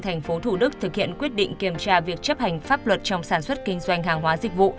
thành phố thủ đức thực hiện quyết định kiểm tra việc chấp hành pháp luật trong sản xuất kinh doanh hàng hóa dịch vụ